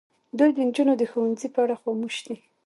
دوی د نجونو د ښوونځي په اړه خاموش دي.